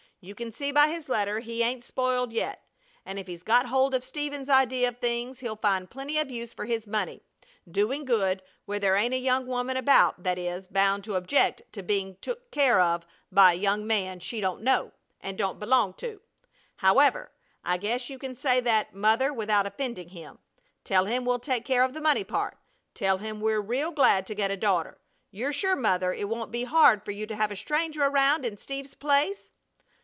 You can see by his letter he ain't spoiled yet, and if he's got hold of Steve's idea of things he'll find plenty of use for his money, doing good where there ain't a young woman about that is bound to object to being took care of by a young man she don't know and don't belong to. However, I guess you can say that, Mother, without offending him. Tell him we'll take care of the money part. Tell him we're real glad to get a daughter. You're sure, Mother, it won't be hard for you to have a stranger around in Steve's place?"